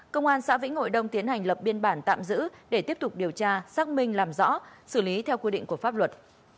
công an xã vĩnh hội đông tiến hành lập biên bản tạm giữ để tiếp tục điều tra xác minh làm rõ xử lý theo quy định của pháp luật